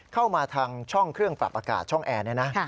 เข้ามาทางช่องเครื่องปรับอากาศช่องแอร์เนี่ยนะ